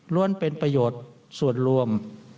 ้วนเป็นประโยชน์ส่วนรวม